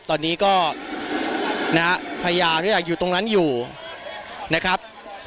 ตอนนี้ก็พยายามอยู่ตรงนั้นอยู่นะครับ